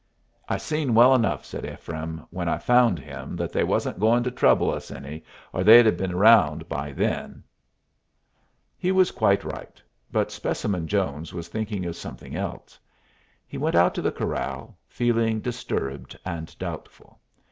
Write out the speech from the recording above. "I seen well enough," said Ephraim, "when I found him that they wasn't going to trouble us any, or they'd have been around by then." He was quite right, but Specimen Jones was thinking of something else. He went out to the corral, feeling disturbed and doubtful.